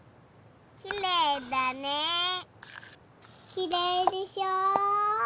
きれいでしょ？